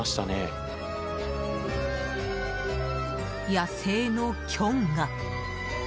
野生のキョンが。